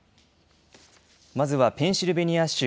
まずはペンシルベニア州。